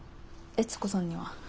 悦子さんには？